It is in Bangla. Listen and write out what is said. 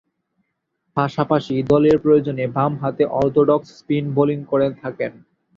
পাশাপাশি দলের প্রয়োজনে বামহাতে অর্থোডক্স স্পিন বোলিং করে থাকেন।